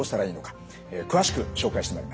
詳しく紹介してまいります。